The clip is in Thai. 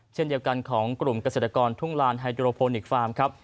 เช่นเดียวกันของกลุ่มเกษตรกรทุ่งลานไฮโดรโพนิกฟาร์มครับ